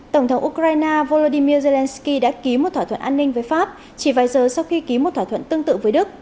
tổng thống ukraine volodymyr zelenskyy đã ký một thỏa thuận an ninh với pháp chỉ vài giờ sau khi ký một thỏa thuận tương tự với đức